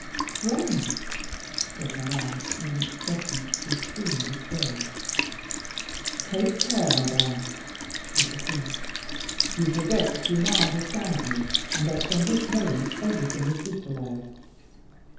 "Friend!" said Madame, with an expression of supreme disdain. "Take care, Madame!" said the king; "you forget that you now understand me, and that from this moment everything is equalized.